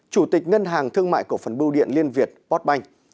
chủ tịch ngân hàng thương mại cộng phần bưu điện liên việt bót banh